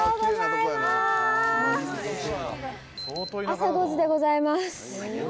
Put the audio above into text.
朝５時でございます。